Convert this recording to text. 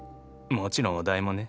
もちろんお代もね。